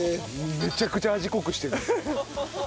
めちゃくちゃ味濃くしてる。